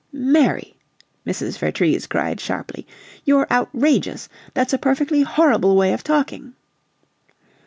"Mary!" Mrs. Vertrees cried, sharply. "You're outrageous! That's a perfectly horrible way of talking!"